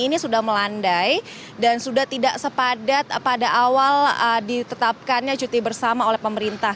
ini sudah melandai dan sudah tidak sepadat pada awal ditetapkannya cuti bersama oleh pemerintah